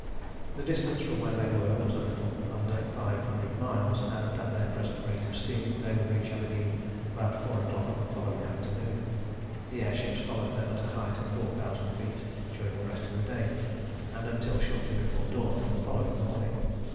The distance from where they were was a little under five hundred miles, and at their present rate of steaming they would reach Aberdeen about four o'clock on the following afternoon. The air ships followed them at a height of four thousand feet during the rest of the day and until shortly before dawn on the following morning.